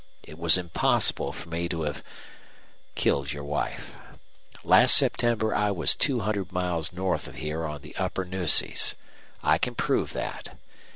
It was impossible for me to have killed your wife. Last September I was two hundred miles north of here on the upper Nueces. I can prove that.